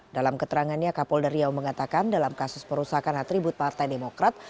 dalam keterangannya kapolda riau mengatakan dalam kasus perusahaan atribut partai demokrat